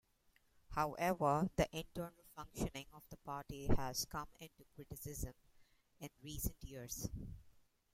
However, the internal functioning of the party has come into criticism in recent years.